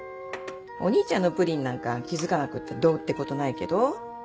お兄ちゃんのプリンなんか気付かなくってどうってことないけど。